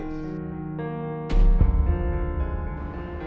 depon saya belum selesai bicara